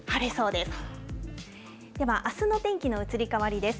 では、あすの天気の移り変わりです。